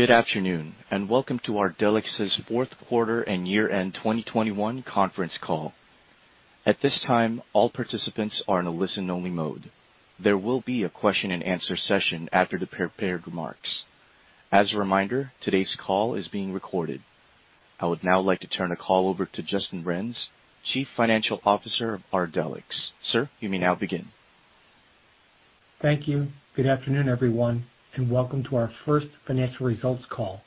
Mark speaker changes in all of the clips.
Speaker 1: Good afternoon, and welcome to Ardelyx's Fourth Quarter and Year-End 2021 Conference Call. At this time, all participants are in a listen-only mode. There will be a question-and-answer session after the prepared remarks. As a reminder, today's call is being recorded. I would now like to turn the call over to Justin Renz, Chief Financial Officer of Ardelyx. Sir, you may now begin.
Speaker 2: Thank you. Good afternoon, everyone, and welcome to our first financial results call,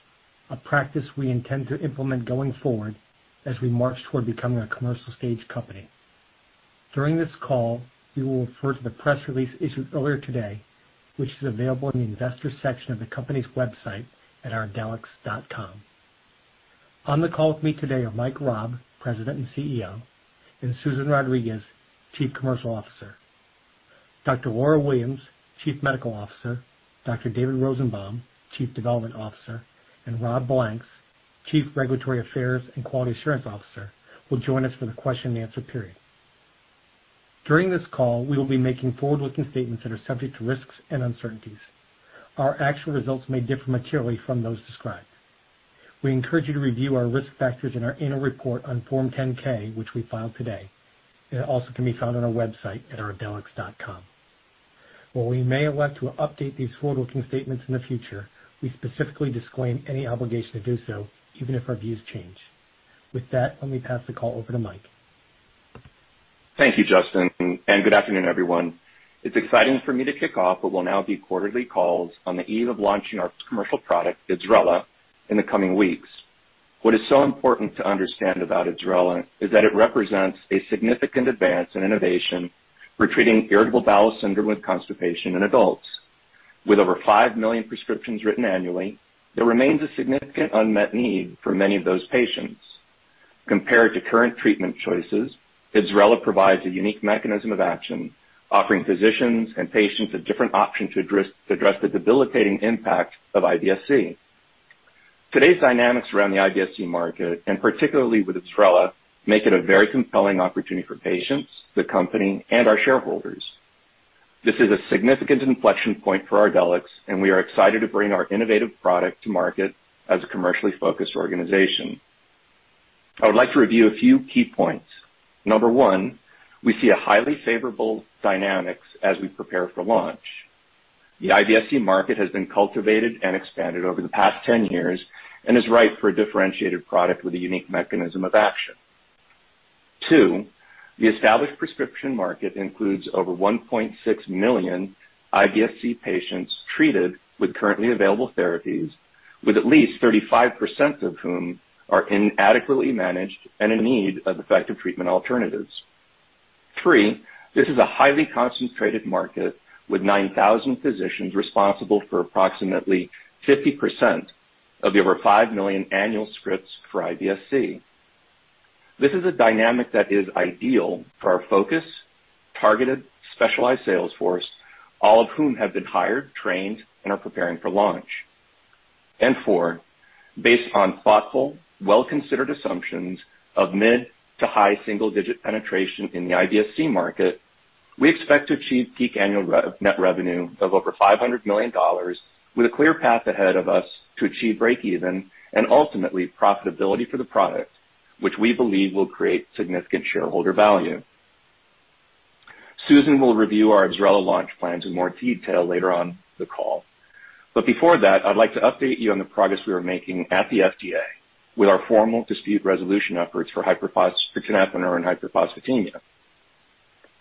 Speaker 2: a practice we intend to implement going forward as we march toward becoming a commercial stage company. During this call, we will refer to the press release issued earlier today, which is available in the investors section of the company's website at ardelyx.com. On the call with me today are Mike Raab, President and CEO, and Susan Rodriguez, Chief Commercial Officer. Dr. Laura Williams, Chief Medical Officer, Dr. David Rosenbaum, Chief Development Officer, and Robert Blanks, Chief Regulatory Affairs and Quality Assurance Officer, will join us for the question and answer period. During this call, we will be making forward-looking statements that are subject to risks and uncertainties. Our actual results may differ materially from those described. We encourage you to review our risk factors in our annual report on Form 10-K, which we filed today. It also can be found on our website at ardelyx.com. While we may elect to update these forward-looking statements in the future, we specifically disclaim any obligation to do so, even if our views change. With that, let me pass the call over to Mike.
Speaker 3: Thank you, Justin, and good afternoon, everyone. It's exciting for me to kick off what will now be quarterly calls on the eve of launching our commercial product, IBSRELA, in the coming weeks. What is so important to understand about IBSRELA is that it represents a significant advance in innovation for treating irritable bowel syndrome with constipation in adults. With over 5 million prescriptions written annually, there remains a significant unmet need for many of those patients. Compared to current treatment choices, IBSRELA provides a unique mechanism of action, offering physicians and patients a different option to address the debilitating impact of IBS-C. Today's dynamics around the IBS-C market, and particularly with IBSRELA, make it a very compelling opportunity for patients, the company, and our shareholders. This is a significant inflection point for Ardelyx, and we are excited to bring our innovative product to market as a commercially focused organization. I would like to review a few key points. Number one, we see a highly favorable dynamics as we prepare for launch. The IBS-C market has been cultivated and expanded over the past 10 years and is ripe for a differentiated product with a unique mechanism of action. Two, the established prescription market includes over 1.6 million IBS-C patients treated with currently available therapies, with at least 35% of whom are inadequately managed and in need of effective treatment alternatives. Three, this is a highly concentrated market with 9,000 physicians responsible for approximately 50% of the over 5 million annual scripts for IBS-C. This is a dynamic that is ideal for our focus, targeted, specialized sales force, all of whom have been hired, trained, and are preparing for launch. Four, based on thoughtful, well-considered assumptions of mid- to high single-digit% penetration in the IBS-C market, we expect to achieve peak annual net revenue of over $500 million with a clear path ahead of us to achieve breakeven and ultimately profitability for the product, which we believe will create significant shareholder value. Susan will review our IBSRELA launch plans in more detail later on the call. Before that, I'd like to update you on the progress we are making at the FDA with our formal dispute resolution efforts for tenapanor and hyperphosphatemia.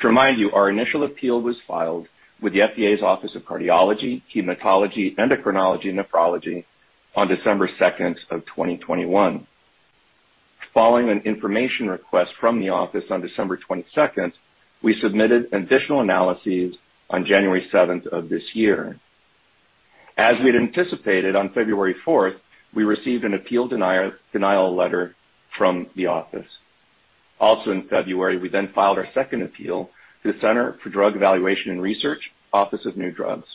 Speaker 3: To remind you, our initial appeal was filed with the FDA's Office of Cardiology, Hematology, Endocrinology, and Nephrology on December 2nd, 2021. Following an information request from the office on December 22nd, we submitted additional analyses on January 7th of this year. As we'd anticipated on February 4th, we received an appeal denial letter from the office. Also in February, we filed our second appeal to the Center for Drug Evaluation and Research, Office of New Drugs.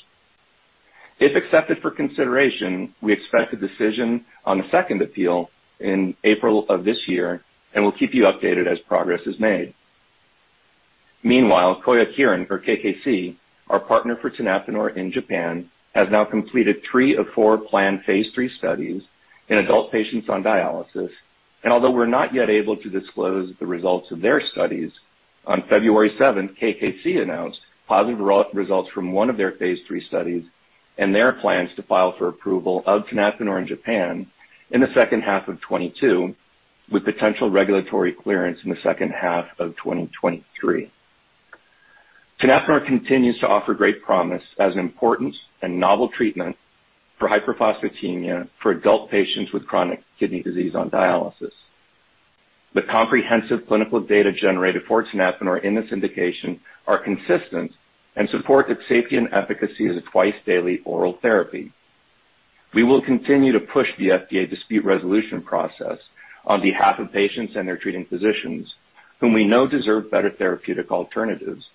Speaker 3: If accepted for consideration, we expect a decision on the second appeal in April of this year, and we'll keep you updated as progress is made. Meanwhile, Kyowa Kirin or KKC, our partner for tenapanor in Japan, has now completed three of four planned phase III studies in adult patients on dialysis. Although we're not yet able to disclose the results of their studies, on February seventh, KKC announced positive results from one of their Phase 3 studies and their plans to file for approval of tenapanor in Japan in the second half of 2022, with potential regulatory clearance in the second half of 2023. Tenapanor continues to offer great promise as an important and novel treatment for hyperphosphatemia for adult patients with chronic kidney disease on dialysis. The comprehensive clinical data generated for tenapanor in this indication are consistent and support its safety and efficacy as a twice-daily oral therapy. We will continue to push the FDA dispute resolution process on behalf of patients and their treating physicians, whom we know deserve better therapeutic alternatives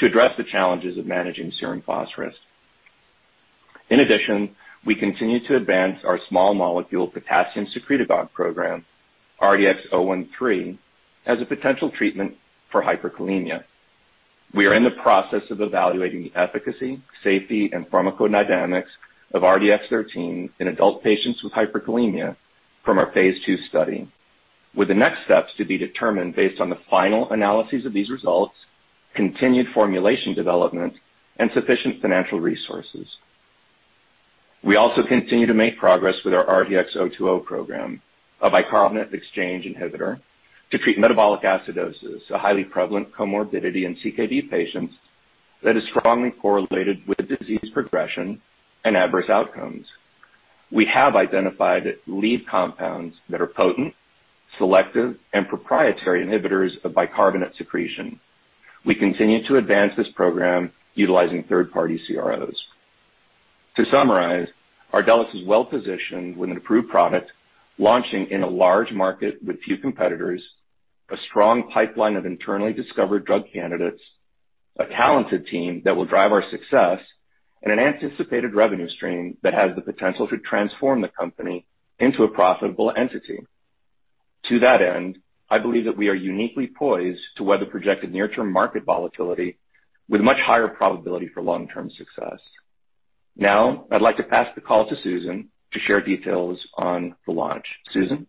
Speaker 3: to address the challenges of managing serum phosphorus. In addition, we continue to advance our small molecule potassium secretagogue program, RDX013, as a potential treatment for hyperkalemia. We are in the process of evaluating the efficacy, safety, and pharmacodynamics of RDX013 in adult patients with hyperkalemia from our Phase 2 study, with the next steps to be determined based on the final analysis of these results, continued formulation development, and sufficient financial resources. We also continue to make progress with our RDX020 program, a bicarbonate exchange inhibitor to treat metabolic acidosis, a highly prevalent comorbidity in CKD patients that is strongly correlated with disease progression and adverse outcomes. We have identified lead compounds that are potent, selective, and proprietary inhibitors of bicarbonate secretion. We continue to advance this program utilizing third-party CROs. To summarize, Ardelyx is well-positioned with an approved product launching in a large market with few competitors, a strong pipeline of internally discovered drug candidates, a talented team that will drive our success, and an anticipated revenue stream that has the potential to transform the company into a profitable entity. To that end, I believe that we are uniquely poised to weather projected near-term market volatility with much higher probability for long-term success. Now, I'd like to pass the call to Susan to share details on the launch. Susan?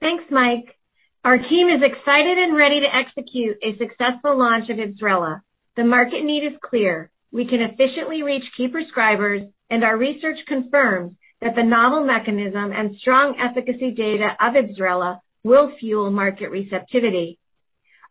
Speaker 4: Thanks, Mike. Our team is excited and ready to execute a successful launch of IBSRELA. The market need is clear. We can efficiently reach key prescribers, and our research confirms that the novel mechanism and strong efficacy data of IBSRELA will fuel market receptivity.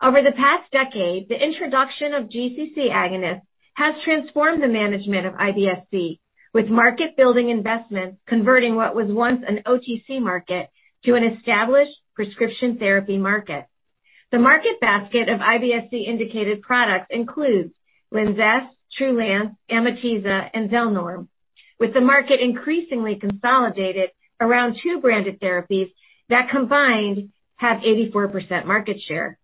Speaker 4: Over the past decade, the introduction of GC-C agonist has transformed the management of IBS-C, with market-building investments converting what was once an OTC market to an established prescription therapy market. The market basket of IBS-C-indicated products includes Linzess, Trulance, Amitiza, and Zelnorm, with the market increasingly consolidated around two branded therapies that combined have 84% market share.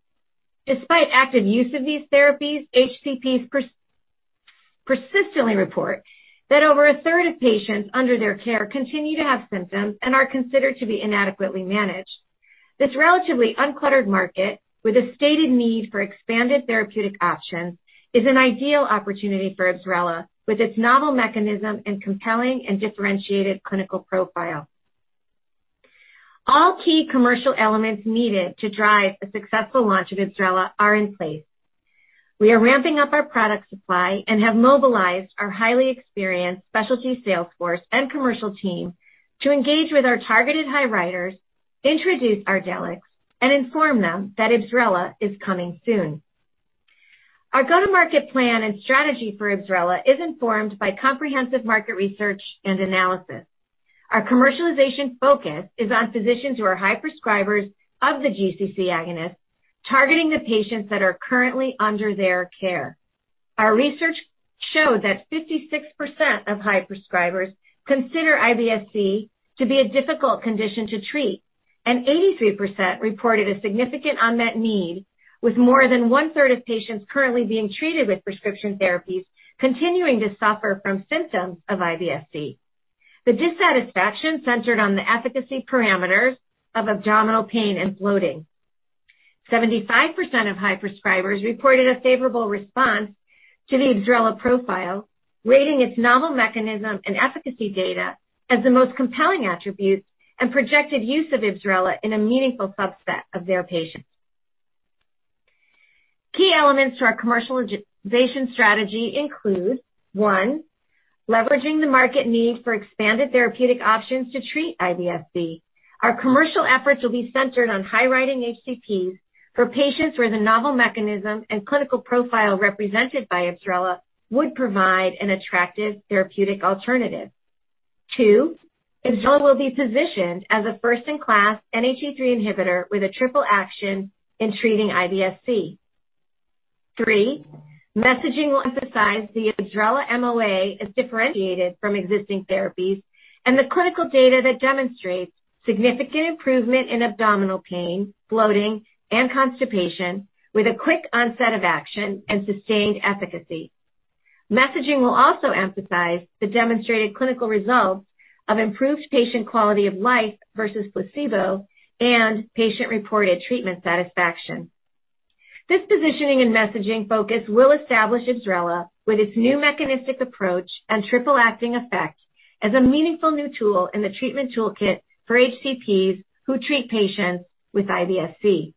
Speaker 4: Despite active use of these therapies, HCPs persistently report that over a third of patients under their care continue to have symptoms and are considered to be inadequately managed. This relatively uncluttered market, with a stated need for expanded therapeutic options, is an ideal opportunity for IBSRELA, with its novel mechanism and compelling and differentiated clinical profile. All key commercial elements needed to drive a successful launch of IBSRELA are in place. We are ramping up our product supply and have mobilized our highly experienced specialty sales force and commercial team to engage with our targeted high prescribers, introduce Ardelyx, and inform them that IBSRELA is coming soon. Our go-to-market plan and strategy for IBSRELA is informed by comprehensive market research and analysis. Our commercialization focus is on physicians who are high prescribers of the GC-C agonist, targeting the patients that are currently under their care. Our research showed that 56% of high prescribers consider IBS-C to be a difficult condition to treat, and 83% reported a significant unmet need, with more than one-third of patients currently being treated with prescription therapies continuing to suffer from symptoms of IBS-C. The dissatisfaction centered on the efficacy parameters of abdominal pain and bloating. 75% of high prescribers reported a favorable response to the IBSRELA profile, rating its novel mechanism and efficacy data as the most compelling attributes and projected use of IBSRELA in a meaningful subset of their patients. Key elements to our commercialization strategy include, one, leveraging the market need for expanded therapeutic options to treat IBS-C. Our commercial efforts will be centered on high prescribing HCPs for patients where the novel mechanism and clinical profile represented by IBSRELA would provide an attractive therapeutic alternative. Two, IBSRELA will be positioned as a first-in-class NHE3 inhibitor with a triple action in treating IBS-C. Three, messaging will emphasize the IBSRELA MOA as differentiated from existing therapies and the clinical data that demonstrates significant improvement in abdominal pain, bloating, and constipation with a quick onset of action and sustained efficacy. Messaging will also emphasize the demonstrated clinical results of improved patient quality of life versus placebo and patient-reported treatment satisfaction. This positioning and messaging focus will establish IBSRELA with its new mechanistic approach and triple-acting effect as a meaningful new tool in the treatment toolkit for HCPs who treat patients with IBS-C.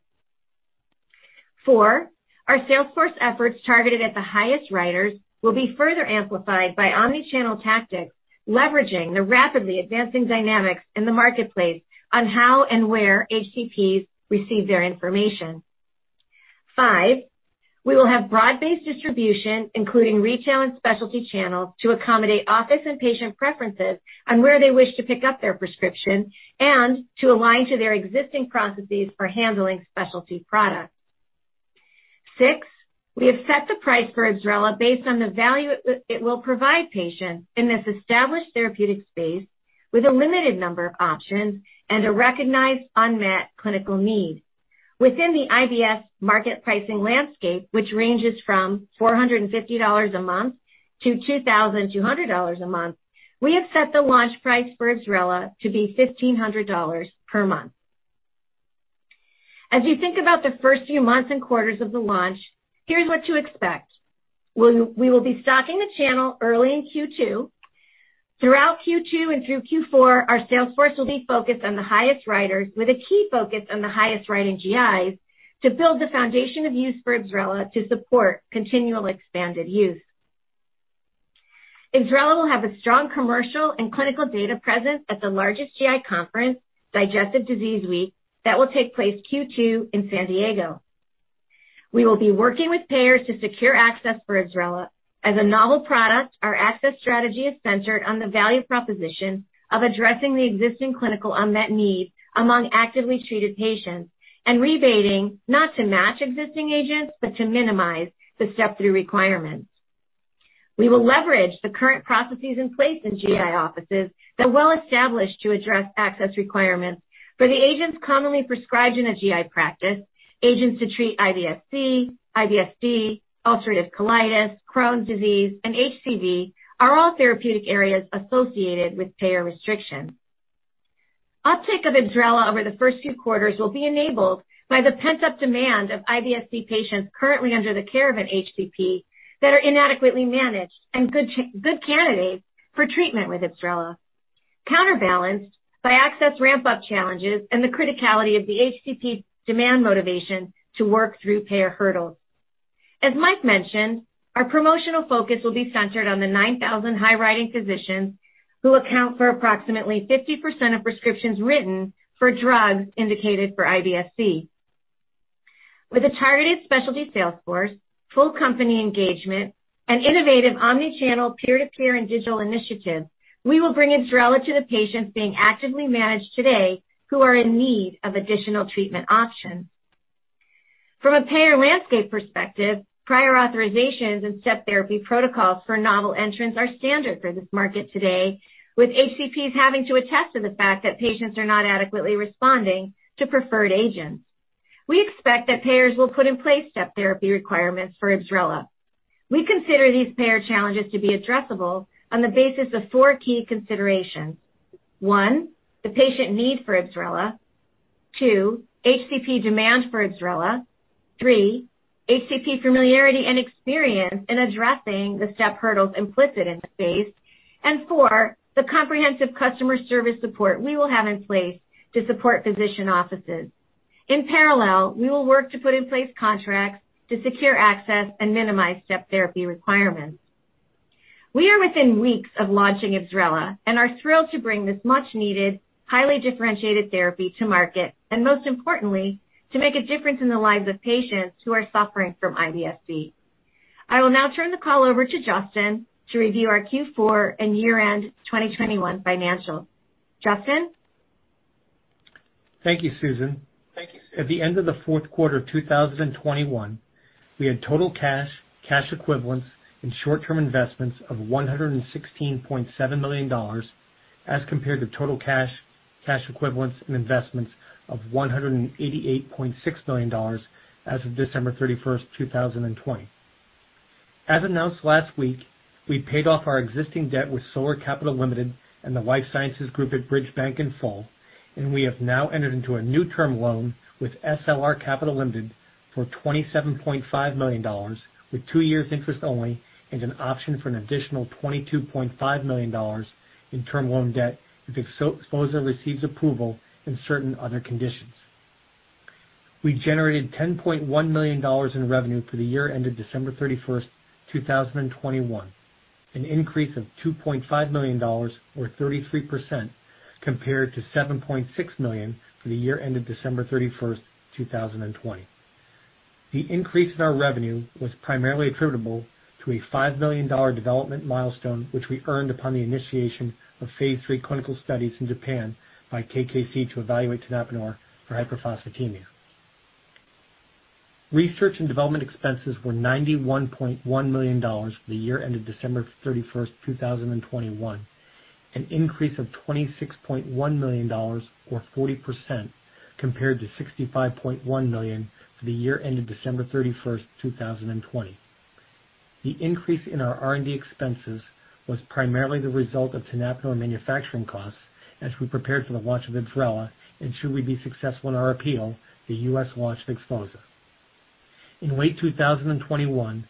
Speaker 4: Four, our sales force efforts targeted at the highest prescribers will be further amplified by omni-channel tactics, leveraging the rapidly advancing dynamics in the marketplace on how and where HCPs receive their information. Five, we will have broad-based distribution, including retail and specialty channels, to accommodate office and patient preferences on where they wish to pick up their prescription and to align to their existing processes for handling specialty products. Six, we have set the price for IBSRELA based on the value it will provide patients in this established therapeutic space with a limited number of options and a recognized unmet clinical need. Within the IBS market pricing landscape, which ranges from $450 a month to $2,200 a month, we have set the launch price for IBSRELA to be $1,500 per month. As you think about the first few months and quarters of the launch, here's what to expect. We will be stocking the channel early in Q2. Throughout Q2 and through Q4, our sales force will be focused on the highest riders with a key focus on the highest riding GIs to build the foundation of use for IBSRELA to support continual expanded use. IBSRELA will have a strong commercial and clinical data presence at the largest GI conference, Digestive Disease Week, that will take place Q2 in San Diego. We will be working with payers to secure access for IBSRELA. As a novel product, our access strategy is centered on the value proposition of addressing the existing clinical unmet need among actively treated patients and rebating, not to match existing agents, but to minimize the step-through requirements. We will leverage the current processes in place in GI offices that are well established to address access requirements for the agents commonly prescribed in a GI practice. Agents to treat IBS-C, IBS-D, ulcerative colitis, Crohn's disease, and HCV are all therapeutic areas associated with payer restrictions. Uptake of IBSRELA over the first few quarters will be enabled by the pent-up demand of IBS-C patients currently under the care of an HCP that are inadequately managed and good candidates for treatment with IBSRELA, counterbalanced by access ramp-up challenges and the criticality of the HCP demand motivation to work through payer hurdles. As Mike mentioned, our promotional focus will be centered on the 9,000 high-writing physicians who account for approximately 50% of prescriptions written for drugs indicated for IBS-C. With a targeted specialty sales force, full company engagement, and innovative omni-channel peer-to-peer and digital initiatives, we will bring IBSRELA to the patients being actively managed today who are in need of additional treatment options. From a payer landscape perspective, prior authorizations and step therapy protocols for novel entrants are standard for this market today, with HCPs having to attest to the fact that patients are not adequately responding to preferred agents. We expect that payers will put in place step therapy requirements for IBSRELA. We consider these payer challenges to be addressable on the basis of four key considerations. One, the patient need for IBSRELA. Two, HCP demand for IBSRELA. Three, HCP familiarity and experience in addressing the step hurdles implicit in the space. And four, the comprehensive customer service support we will have in place to support physician offices. In parallel, we will work to put in place contracts to secure access and minimize step therapy requirements. We are within weeks of launching IBSRELA and are thrilled to bring this much-needed, highly differentiated therapy to market, and most importantly, to make a difference in the lives of patients who are suffering from IBS-C. I will now turn the call over to Justin to review our Q4 and year-end 2021 financials. Justin?
Speaker 2: Thank you, Susan. At the end of the fourth quarter of 2021, we had total cash equivalents, and short-term investments of $116.7 million as compared to total cash equivalents, and investments of $188.6 million as of December 31st, 2020. As announced last week, we paid off our existing debt with Solar Capital Ltd. and the Life Sciences group at Bridge Bank in full, and we have now entered into a new term loan with SLR Capital Partners for $27.5 million with 2 years interest only and an option for an additional $22.5 million in term loan debt if XPHOZAH receives approval and certain other conditions. We generated $10.1 million in revenue for the year ended December 31st, 2021, an increase of $2.5 million or 33% compared to $7.6 million for the year ended December 31st, 2020. The increase in our revenue was primarily attributable to a $5 million development milestone, which we earned upon the initiation of Phase 3 clinical studies in Japan by KKC to evaluate tenapanor for hyperphosphatemia. Research and development expenses were $91.1 million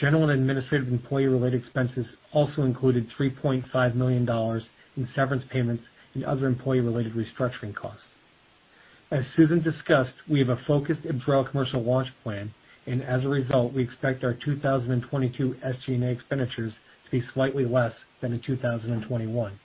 Speaker 2: General and administrative employee-related expenses also included $3.5 million in severance payments and other employee-related restructuring costs. As Susan discussed, we have a focused IBSRELA commercial launch plan and as a result, we expect our 2022 SG&A expenditures to be slightly less than in 2021.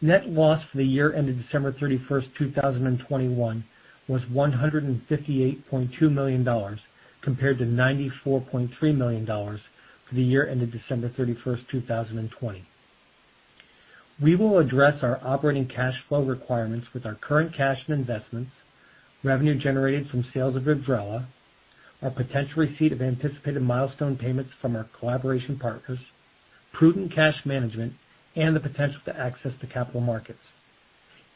Speaker 2: Net loss for the year ended December 31st, 2021 was $158.2 million compared to $94.3 million for the year ended December 31st, 2020. We will address our operating cash flow requirements with our current cash and investments, revenue generated from sales of IBSRELA, our potential receipt of anticipated milestone payments from our collaboration partners, prudent cash management, and the potential to access the capital markets.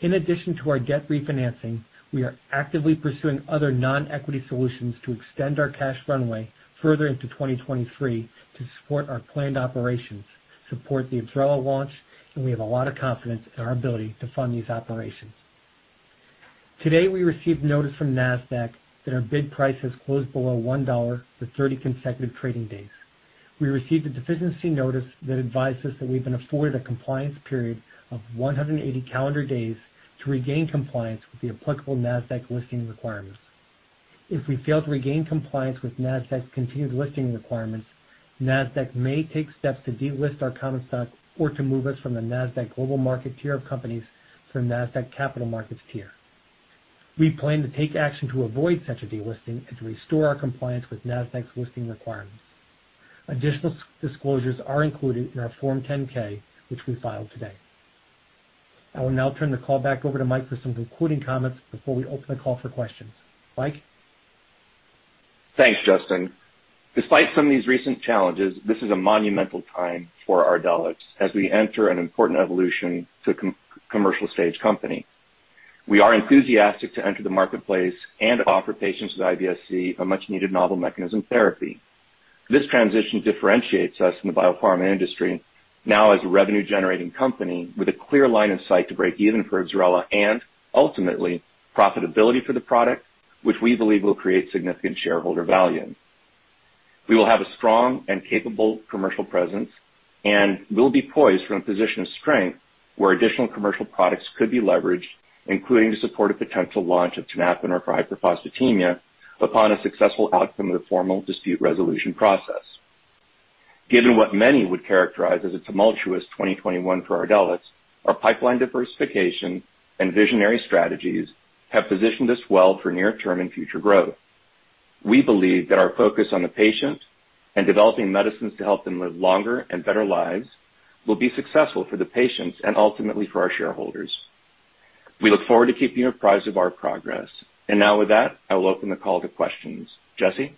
Speaker 2: In addition to our debt refinancing, we are actively pursuing other non-equity solutions to extend our cash runway further into 2023 to support our planned operations, support the IBSRELA launch, and we have a lot of confidence in our ability to fund these operations. Today, we received notice from Nasdaq that our bid price has closed below $1 for 30 consecutive trading days. We received a deficiency notice that advised us that we've been afforded a compliance period of 180 calendar days to regain compliance with the applicable Nasdaq listing requirements. If we fail to regain compliance with Nasdaq's continued listing requirements, Nasdaq may take steps to delist our common stock or to move us from the Nasdaq Global Market tier of companies to the Nasdaq Capital Market tier. We plan to take action to avoid such a delisting and to restore our compliance with Nasdaq's listing requirements. Additional disclosures are included in our Form 10-K, which we filed today. I will now turn the call back over to Mike for some concluding comments before we open the call for questions. Mike?
Speaker 3: Thanks, Justin. Despite some of these recent challenges, this is a monumental time for Ardelyx as we enter an important evolution to a commercial stage company. We are enthusiastic to enter the marketplace and offer patients with IBS-C a much-needed novel mechanism therapy. This transition differentiates us from the biopharma industry now as a revenue-generating company with a clear line of sight to break even for IBSRELA and ultimately profitability for the product, which we believe will create significant shareholder value. We will have a strong and capable commercial presence and will be poised from a position of strength where additional commercial products could be leveraged, including the support of potential launch of tenapanor for hyperphosphatemia upon a successful outcome of the formal dispute resolution process. Given what many would characterize as a tumultuous 2021 for Ardelyx, our pipeline diversification and visionary strategies have positioned us well for near term and future growth. We believe that our focus on the patient and developing medicines to help them live longer and better lives will be successful for the patients and ultimately for our shareholders. We look forward to keeping you apprised of our progress. Now with that, I will open the call to questions. Jesse?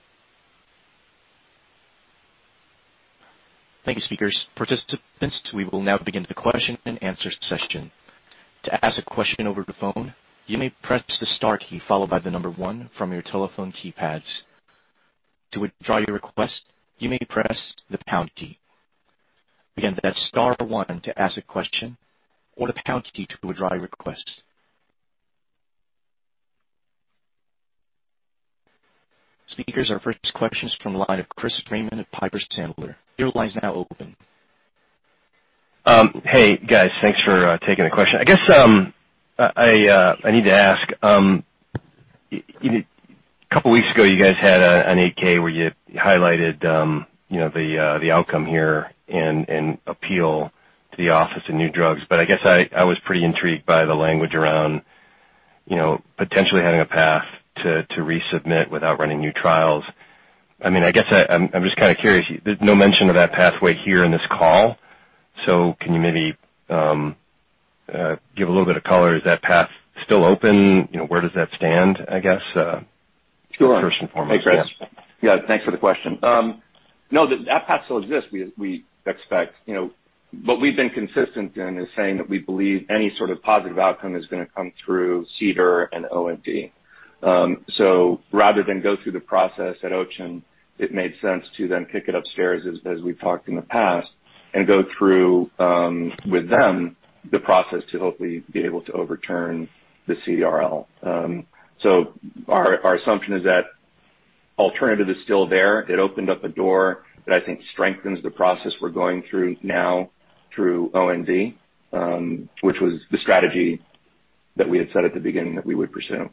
Speaker 1: Thank you, speakers. Participants, we will now begin the question and answer session. To ask a question over the phone, you may press the star key followed by the number one from your telephone keypads. To withdraw your request, you may press the pound key. Again, that's star one to ask a question or the pound key to withdraw your request. Speakers, our first question is from the line of Chris Raymond at Piper Sandler. Your line is now open.
Speaker 5: Hey, guys. Thanks for taking the question. I guess I need to ask. A couple weeks ago, you guys had an 8-K where you highlighted you know the outcome here and appeal to the Office of New Drugs. I guess I was pretty intrigued by the language around you know potentially having a path to resubmit without running new trials. I'm just kinda curious. There's no mention of that pathway here in this call. Can you maybe give a little bit of color? Is that path still open? Where does that stand, I guess first and foremost?
Speaker 3: Hey, Chris. Yeah, thanks for the question. No, that path still exists. We expect what we've been consistent in is saying that we believe any sort of positive outcome is gonna come through CDER and OND. So rather than go through the process at OCHEN, it made sense to then kick it upstairs as we've talked in the past, and go through with them the process to hopefully be able to overturn the CRL. So our assumption is that alternative is still there. It opened up a door that I think strengthens the process we're going through now through OND, which was the strategy that we had said at the beginning that we would pursue.
Speaker 5: Okay.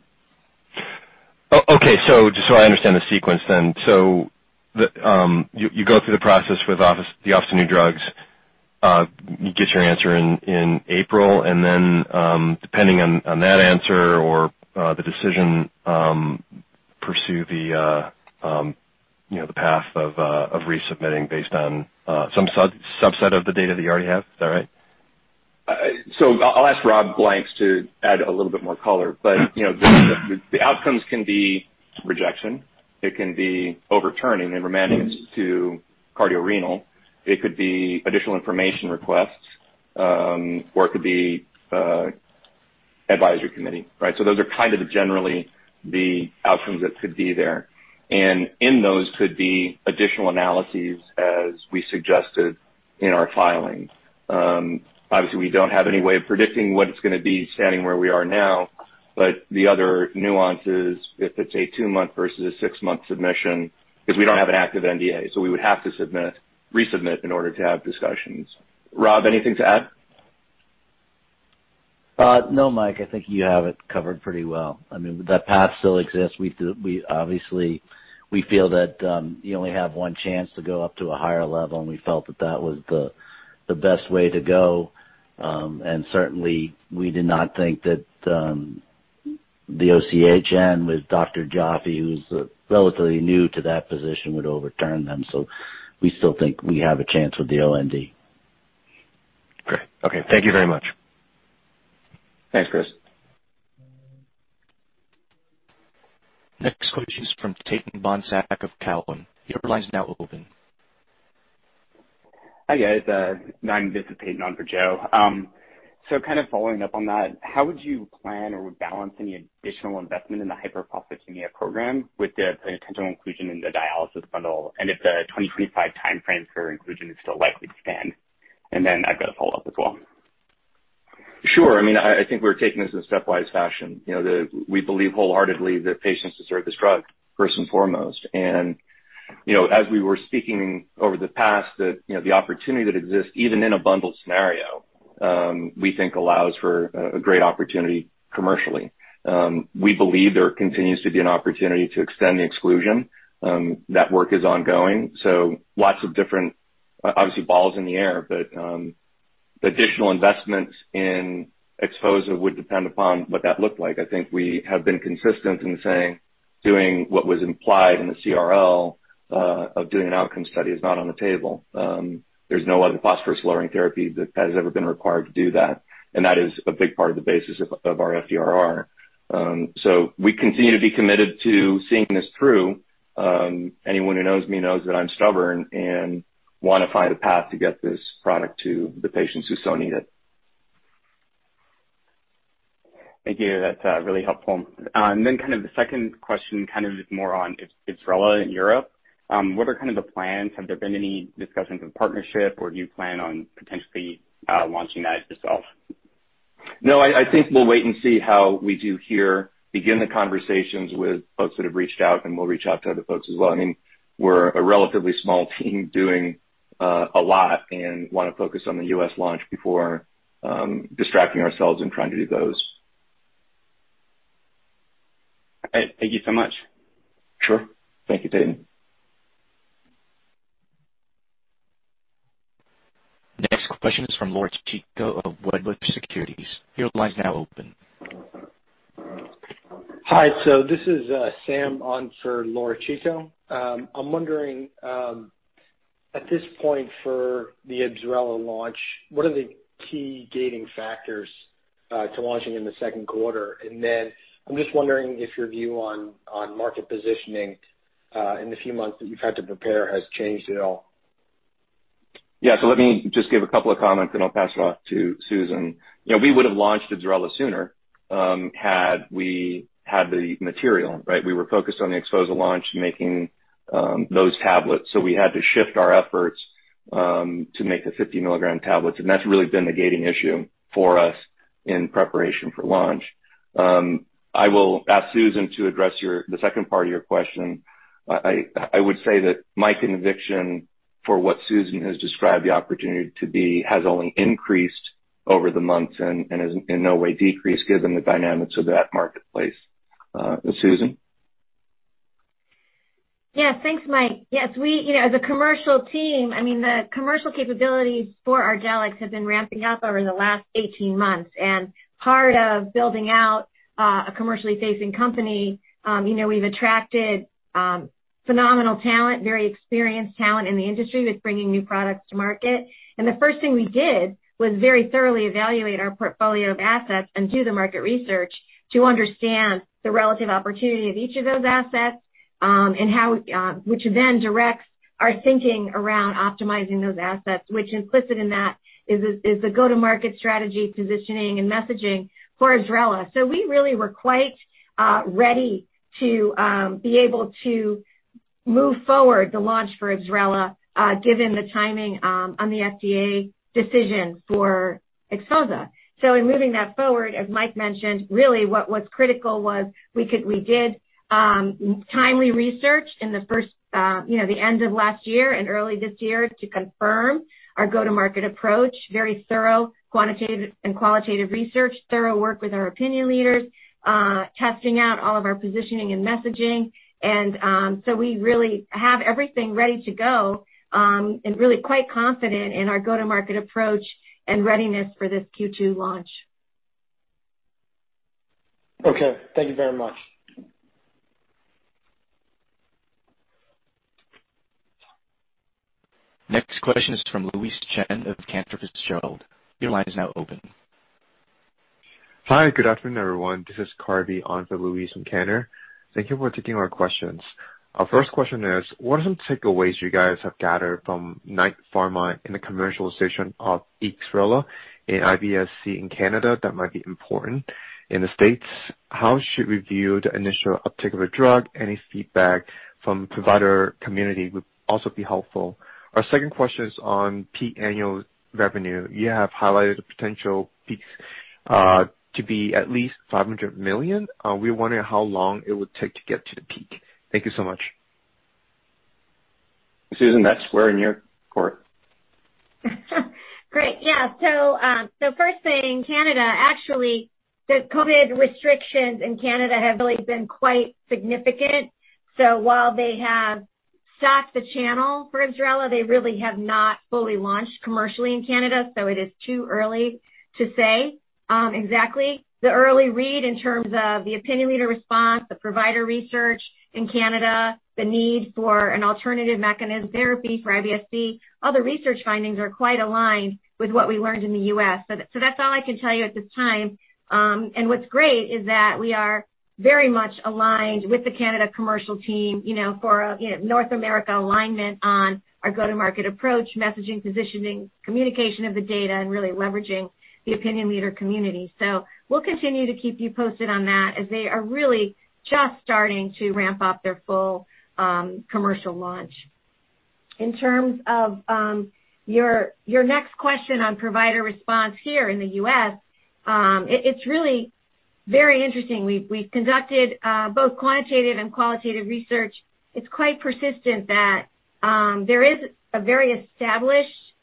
Speaker 5: Just so I understand the sequence then. You go through the process with the Office of New Drugs, you get your answer in April, and then, depending on that answer or the decision, pursue the path of resubmitting based on some subset of the data that you already have. Is that right?
Speaker 3: I'll ask Robert Blanks to add a little bit more color. The outcomes can be rejection, it can be overturning and remanded to cardiorenal, it could be additional information requests, or it could be advisory committee, right? Those are kind of generally the outcomes that could be there. In those could be additional analyses as we suggested in our filings. Obviously, we don't have any way of predicting what it's gonna be standing where we are now. The other nuance is if it's a two-month versus a six-month submission, we don't have an active NDA, so we would have to resubmit in order to have discussions. Rob, anything to add?
Speaker 6: No, Mike, I think you have it covered pretty well. I mean that path still exists. We obviously feel that you only have one chance to go up to a higher level, and we felt that was the best way to go. Certainly we did not think that the OCHEN with Dr. Jaffe, who's relatively new to that position, would overturn them. We still think we have a chance with the OND.
Speaker 5: Great. Okay. Thank you very much.
Speaker 3: Thanks, Chris.
Speaker 1: Next question is from Peyton Bohnsack of Cowen. Your line is now open.
Speaker 7: Hi, guys. This is Peyton Bohnsack on for Joe. Kind of following up on that, how would you plan or balance any additional investment in the hyperphosphatemia program with the potential inclusion in the dialysis bundle, and if the 2025 time frame for inclusion is still likely to stand? I've got a follow-up as well.
Speaker 3: Sure. I mean, I think we're taking this in a stepwise fashion. You know, we believe wholeheartedly that patients deserve this drug first and foremost. You know, as we were speaking over the past that, the opportunity that exists even in a bundled scenario, we think allows for a great opportunity commercially. We believe there continues to be an opportunity to extend the exclusion. That work is ongoing. Lots of different, obviously, balls in the air, but the additional investments in XPHOZAH would depend upon what that looked like. I think we have been consistent in saying, doing what was implied in the CRL of doing an outcome study is not on the table. There's no other phosphorus-lowering therapy that has ever been required to do that, and that is a big part of the basis of our FDRP. We continue to be committed to seeing this through. Anyone who knows me knows that I'm stubborn and wanna find a path to get this product to the patients who so need it.
Speaker 7: Thank you. That's really helpful. Kind of the second question kind of is more on IBSRELA in Europe. What are kind of the plans? Have there been any discussions with partners or do you plan on potentially launching that yourself?
Speaker 3: No, We'll wait and see how we do here, begin the conversations with folks that have reached out, and we'll reach out to other folks as well. I mean, we're a relatively small team doing a lot and wanna focus on the U.S. launch before distracting ourselves and trying to do those.
Speaker 7: All right. Thank you so much.
Speaker 3: Sure. Thank you, Peyton.
Speaker 1: Next question is from Laura Chico of Wedbush Securities. Your line is now open.
Speaker 8: Hi. This is Sam on for Laura Chico. I'm wondering at this point for the IBSRELA launch what are the key gating factors to launching in the second quarter? I'm just wondering if your view on market positioning in the few months that you've had to prepare has changed at all.
Speaker 3: Yeah. Let me just give a couple of comments, then I'll pass it off to Susan. You know, we would have launched IBSRELA sooner, had we had the material, right? We were focused on the XPHOZAH launch, making those tablets. We had to shift our efforts to make the 50 milligram tablets, and that's really been the gating issue for us in preparation for launch. I will ask Susan to address the second part of your question. I would say that my conviction for what Susan has described the opportunity to be has only increased over the months and has in no way decreased given the dynamics of that marketplace. Susan?
Speaker 4: Thanks Mike. We as a commercial team, I mean, the commercial capabilities for Ardelyx have been ramping up over the last 18 months. Part of building out a commercially facing company, you know, we've attracted phenomenal talent, very experienced talent in the industry with bringing new products to market. The first thing we did was very thoroughly evaluate our portfolio of assets and do the market research to understand the relative opportunity of each of those assets, and how which then directs our thinking around optimizing those assets, which implicit in that is the go-to-market strategy, positioning, and messaging for IBSRELA. We really were quite ready to be able to move forward the launch for IBSRELA, given the timing on the FDA decision for XPHOZAH. In moving that forward, as Mike mentioned, really what was critical was we did timely research in the first, the end of last year and early this year to confirm our go-to-market approach, very thorough quantitative and qualitative research, thorough work with our opinion leaders, testing out all of our positioning and messaging. We really have everything ready to go, and really quite confident in our go-to-market approach and readiness for this Q2 launch.
Speaker 8: Okay. Thank you very much.
Speaker 1: Next question is from Louise Chen of Cantor Fitzgerald. Your line is now open.
Speaker 9: Hi. Good afternoon, everyone. This is Carvey on for Louise from Cantor. Thank you for taking our questions. Our first question is, what are some takeaways you guys have gathered from Knight Therapeutics in the commercialization of IBSRELA in IBS-C in Canada that might be important in the States? How should we view the initial uptake of a drug? Any feedback from provider community would also be helpful. Our second question is on peak annual revenue. You have highlighted the potential peaks to be at least $500 million. We wonder how long it would take to get to the peak. Thank you so much.
Speaker 3: Susan, that's in your court.
Speaker 4: Great. First thing, Canada, actually, the COVID restrictions in Canada have really been quite significant. While they have stocked the channel for IBSRELA, they really have not fully launched commercially in Canada, so it is too early to say exactly. The early read in terms of the opinion leader response, the provider research in Canada, the need for an alternative mechanism therapy for IBS-C, all the research findings are quite aligned with what we learned in the U.S. That's all I can tell you at this time. What's great is that we are very much aligned with the Canada commercial team, for a North America alignment on our go-to-market approach, messaging, positioning, communication of the data and really leveraging the opinion leader community. We'll continue to keep you posted on that as they are really just starting to ramp up their full, commercial launch. In terms of your next question on provider response here in the U.S., it's really very interesting. We've conducted both quantitative and qualitative research. It's quite persistent that there is a very established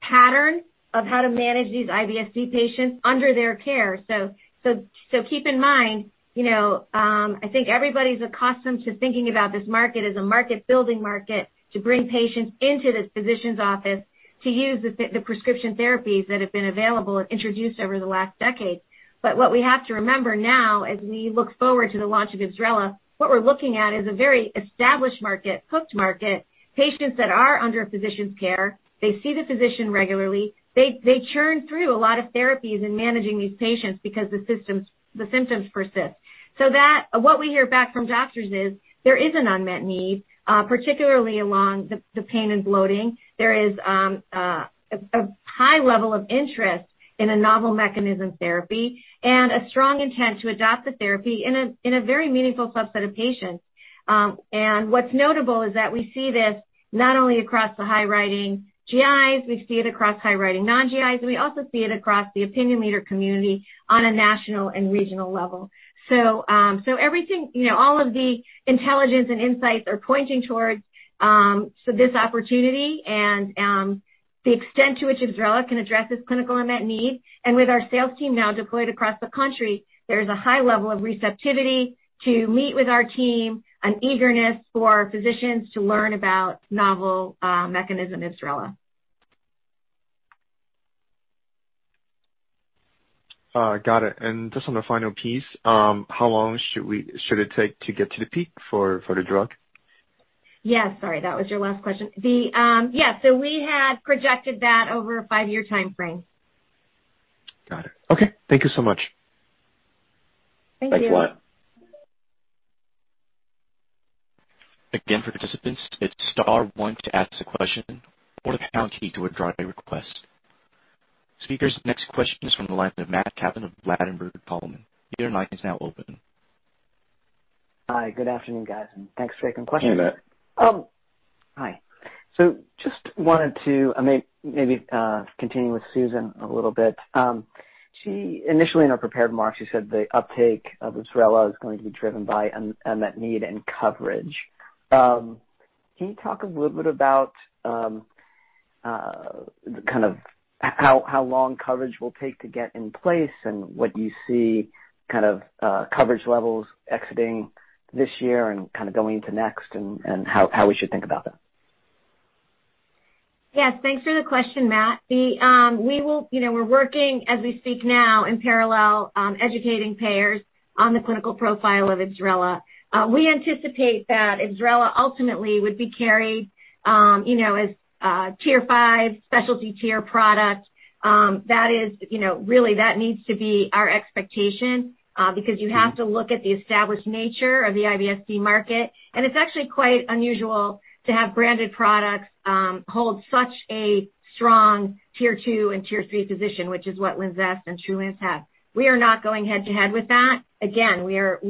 Speaker 4: pattern of how to manage these IBS-C patients under their care. Keep in mind I think everybody's accustomed to thinking about this market as a market-building market to bring patients into this physician's office to use the prescription therapies that have been available and introduced over the last decade. What we have to remember now as we look forward to the launch of IBSRELA, what we're looking at is a very established market, hooked market. Patients that are under a physician's care, they see the physician regularly. They churn through a lot of therapies in managing these patients because the symptoms persist. What we hear back from doctors is there is an unmet need, particularly along the pain and bloating. There is a high level of interest in a novel mechanism therapy and a strong intent to adopt the therapy in a very meaningful subset of patients. What's notable is that we see this not only across the high-writing GIs, we see it across high-writing non-GIs, we also see it across the opinion leader community on a national and regional level. everything, you know, all of the intelligence and insights are pointing towards this opportunity and the extent to which IBSRELA can address this clinical unmet need. With our sales team now deployed across the country, there is a high level of receptivity to meet with our team, an eagerness for physicians to learn about novel mechanism IBSRELA.
Speaker 9: Got it. Just on the final piece, how long should it take to get to the peak for the drug?
Speaker 4: Yeah, sorry, that was your last question. Yeah, so we had projected that over a five-year timeframe.
Speaker 9: Got it. Okay. Thank you so much.
Speaker 4: Thank you.
Speaker 3: Thanks a lot.
Speaker 1: Again, for participants, hit star one to ask a question or the pound key to withdraw a request. Speakers, next question is from the line of Matt Kaplan of Ladenburg Thalmann. Your line is now open.
Speaker 10: Hi, good afternoon, guys, and thanks for taking the question.
Speaker 3: Hey, Matt.
Speaker 10: Hi. Just wanted to maybe continue with Susan a little bit. She initially in her prepared remarks, she said the uptake of IBSRELA is going to be driven by unmet need and coverage. Can you talk a little bit about kind of how long coverage will take to get in place and what you see kind of coverage levels exiting this year and kind of going to next and how we should think about that?
Speaker 4: Thanks for the question, Matt. We are working as we speak now in parallel educating payers on the clinical profile of IBSRELA. We anticipate that IBSRELA ultimately would be carried, you know, as a tier five specialty tier product. That is, you know, really that needs to be our expectation, because you have to look at the established nature of the IBS-C market. It's actually quite unusual to have branded products hold such a strong tier two and tier three position, which is what Linzess and Trulance have. We are not going head to head with that. Again, we are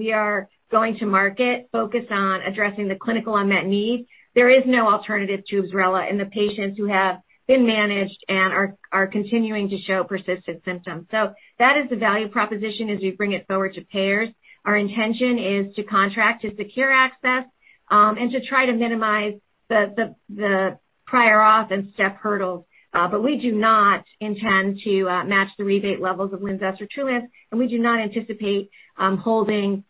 Speaker 4: going to market focused on addressing the clinical unmet need. There is no alternative to IBSRELA in the patients who have been managed and are continuing to show persistent symptoms. That is the value proposition as we bring it forward to payers. Our intention is to contract to secure access, and to try to minimize the prior auth and step hurdles. We do not intend to match the rebate levels of Linzess or Trulance, and we do not anticipate holding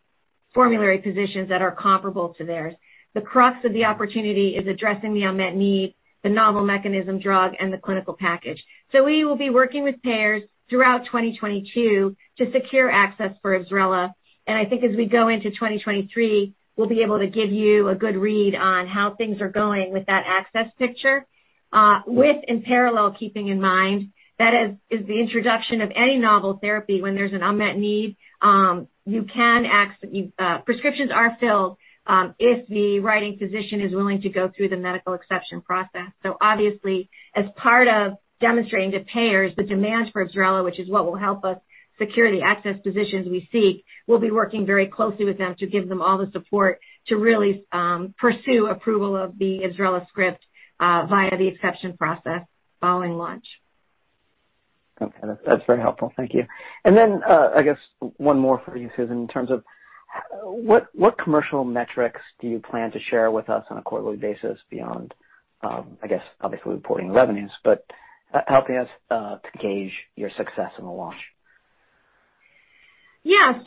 Speaker 4: formulary positions that are comparable to theirs. The crux of the opportunity is addressing the unmet need, the novel mechanism drug, and the clinical package. We will be working with payers throughout 2022 to secure access for IBSRELA. I think as we go into 2023, we'll be able to give you a good read on how things are going with that access picture, with, in parallel, keeping in mind that as is the introduction of any novel therapy when there's an unmet need, prescriptions are filled if the writing physician is willing to go through the medical exception process. Obviously, as part of demonstrating to payers the demand for IBSRELA, which is what will help us secure the access positions we seek, we'll be working very closely with them to give them all the support to really pursue approval of the IBSRELA script via the exception process following launch.
Speaker 10: Okay. That's very helpful. Thank you. I guess one more for you, Susan, in terms of what commercial metrics do you plan to share with us on a quarterly basis beyond, I guess, obviously reporting revenues, but helping us to gauge your success in the launch?
Speaker 4: Yeah.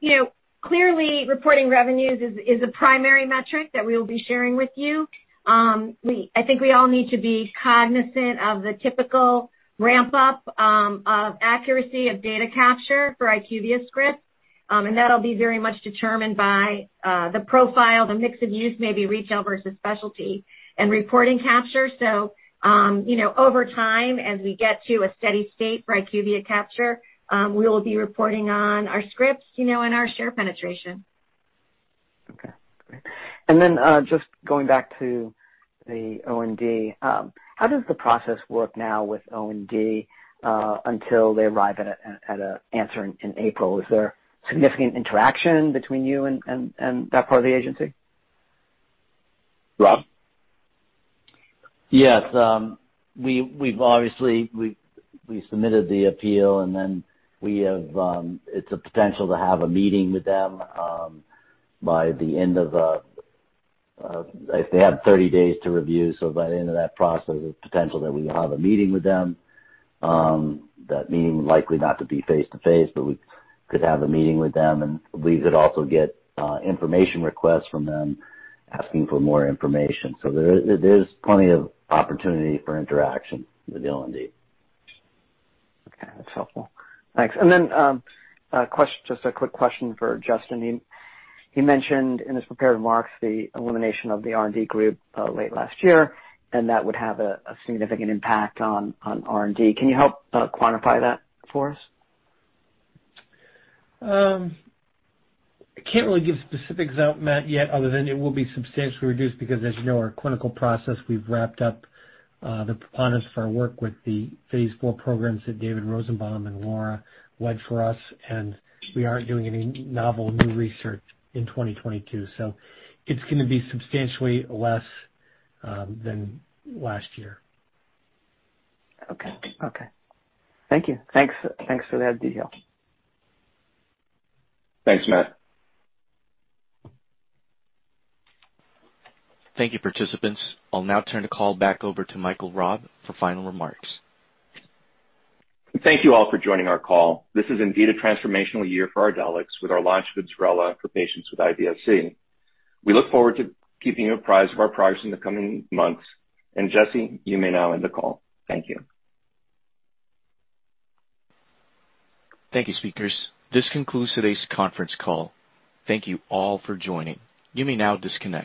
Speaker 4: You know, clearly reporting revenues is a primary metric that we will be sharing with you. I think we all need to be cognizant of the typical ramp up of accuracy of data capture for IQVIA scripts. That'll be very much determined by the profile, the mix of use, maybe retail versus specialty and reporting capture. You know, over time, as we get to a steady state for IQVIA capture, we will be reporting on our scripts, you know, and our share penetration.
Speaker 10: Okay, great. Just going back to the OND. How does the process work now with OND until they arrive at an answer in April? Is there significant interaction between you and that part of the agency?
Speaker 3: Rob?
Speaker 6: Yes. We've obviously submitted the appeal, and then it's a potential to have a meeting with them by the end of, if they have 30 days to review. By the end of that process, there's potential that we will have a meeting with them. That meeting likely not to be face to face, but we could have the meeting with them, and we could also get information requests from them asking for more information. There is plenty of opportunity for interaction with the OND.
Speaker 10: Okay. That's helpful. Thanks. Just a quick question for Justin. He mentioned in his prepared remarks the elimination of the R&D group late last year, and that would have a significant impact on R&D. Can you help quantify that for us?
Speaker 2: I can't really give specifics out, Matt, yet other than it will be substantially reduced because as you know, our clinical process, we've wrapped up, the preponderance of our work with the phase IV programs that David Rosenbaum and Laura led for us. We aren't doing any novel new research in 2022. It's gonna be substantially less than last year.
Speaker 10: Okay. Thank you. Thanks for that detail.
Speaker 3: Thanks, Matt.
Speaker 1: Thank you, participants. I'll now turn the call back over to Mike Raab for final remarks.
Speaker 3: Thank you all for joining our call. This is indeed a transformational year for Ardelyx with our launch of IBSRELA for patients with IBS-C. We look forward to keeping you apprised of our progress in the coming months. Jesse, you may now end the call. Thank you.
Speaker 1: Thank you, speakers. This concludes today's conference call. Thank you all for joining. You may now disconnect.